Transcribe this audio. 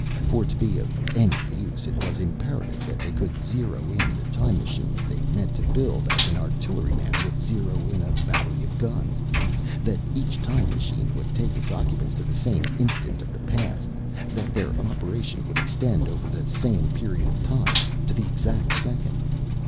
For to be of any use, it was imperative that they could zero in the time machines they meant to build as an artilleryman would zero in a battery of guns, that each time machine would take its occupants to the same instant of the past, that their operation would extend over the same period of time, to the exact second.